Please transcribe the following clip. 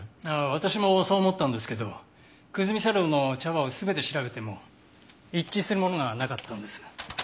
私もそう思ったんですけど久住茶寮の茶葉を全て調べても一致するものがなかったんです。